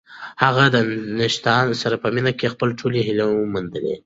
هغه د ناتاشا سره په مینه کې خپلې ټولې هیلې وموندلې.